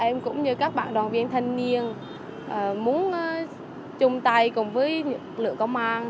em cũng như các bạn đoàn viên thanh niên muốn chung tay cùng với lực lượng công an